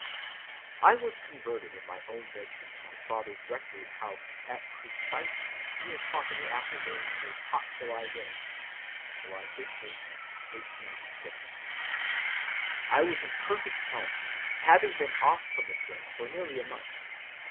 "I was converted in my own bedroom in my father's rectory house at precisely three o'clock in the afternoon of a hot July day (July 13, 1886). I was in perfect health, having been off from the drink for nearly a month.